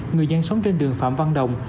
người dân sống trên đường phạm văn đồng